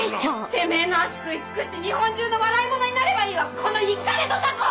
てめぇの脚食い尽くして日本中の笑いものになればいいわこのイカれドタコ！